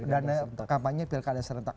dana kampanye pilkada serentak